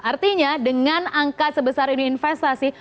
artinya dengan angka sebesar ini investasi